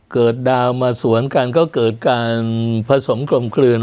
เกิดดาวมาสวนกันก็เกิดการผสมกลมกลืน